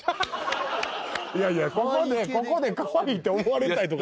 いやいやここでカワイイって思われたいとかないから。